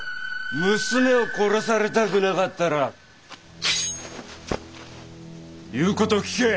娘を殺されたくなかったら言う事を聞け。